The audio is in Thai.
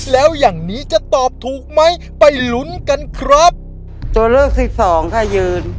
แล้วอย่างนี้จะตอบถูกไหมไปลุ้นกันครับตัวเลือกที่สองค่ะยืน